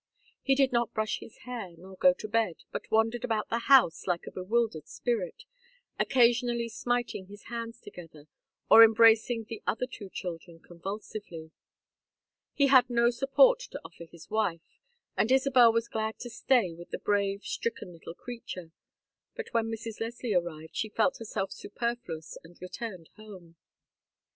He did not brush his hair, nor go to bed, but wandered about the house like a bewildered spirit, occasionally smiting his hands together, or embracing the other two children convulsively. He had no support to offer his wife, and Isabel was glad to stay with the brave stricken little creature; but when Mrs. Leslie arrived she felt herself superfluous and returned home.